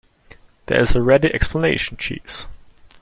There is a ready explanation, Jeeves.